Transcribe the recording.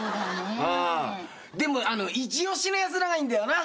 でも一押しのやつらがいんだよな。